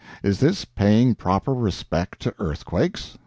Is this paying proper respect to earthquakes?